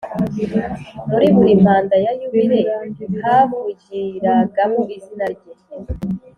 Muri buri mpanda ya yubile havugiragamo izina Rye